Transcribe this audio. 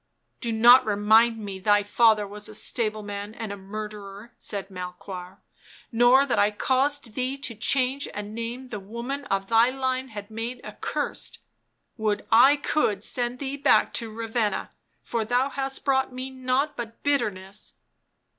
" Do not remind me thy father was a stableman and a murderer," said Melchoir. " Nor that I caused thee to change a name the women of thy line had made accursed. Would T could send thee back to Ravenna !— for thou hast brought to me nought but bitterness